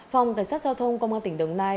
phòng cảnh sát giao thông công an tỉnh đồng nai